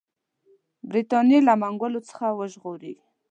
برټانیې له منګولو څخه وژغوري.